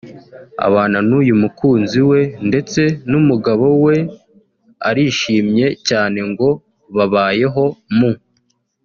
abana n’uyu mukunzi we ndetse n’umugabo na we arishimye cyane ngo babayeho mu